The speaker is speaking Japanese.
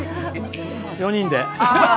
４人で。